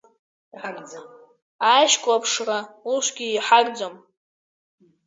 Аишьклаԥшра усгьы иҳагӡам.